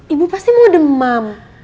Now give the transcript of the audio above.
ibu pasti mau demam